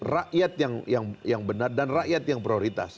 rakyat yang benar dan rakyat yang prioritas